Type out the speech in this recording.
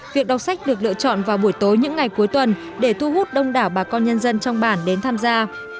việc đọc sách được lựa chọn vào buổi tối những ngày cuối tuần để thu hút đông đảo bà con nhân dân trong bản đến tham gia